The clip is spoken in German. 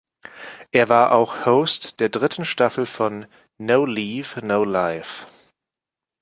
Er war auch Host der dritten Staffel von „No Leave, No Life“.